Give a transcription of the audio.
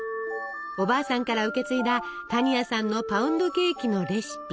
おばあさんから受け継いだ多仁亜さんのパウンドケーキのレシピ。